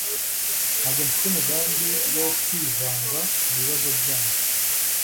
Ntabwo mfite umugambi wo kwivanga mu bibazo byanyu.